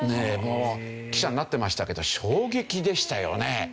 もう記者になっていましたけど衝撃でしたよね。